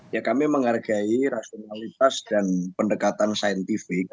ya kami menghargai rasionalitas dan pendekatan saintifik